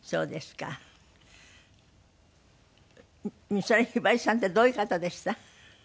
美空ひばりさんってどういう方でした？